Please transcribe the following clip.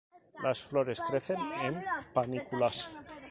Las flores crecen en panículas.